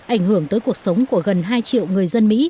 ảnh hưởng tới cuộc sống của gần hai triệu người dân mỹ